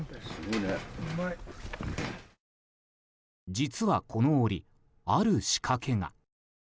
実は、この檻ある仕掛けが。